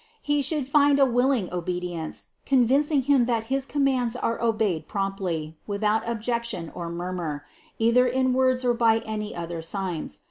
He should find a willing obedience, convincing him that his commands are obeyed promptly, without objection or murmur, either in words or by any other signs.